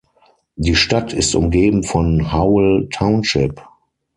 Die Stadt ist umgeben vom Howell Township.